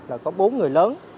là có bốn người lớn